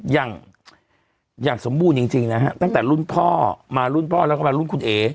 อย่างอย่างสมบูรณ์จริงนะฮะตั้งแต่รุ่นพ่อมารุ่นพ่อแล้วก็มารุ่นคุณเอ๋